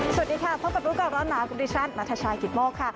สวัสดีค่ะพบกับร้อนหนาคุณพิชชันณชายคิดโม้คค่ะ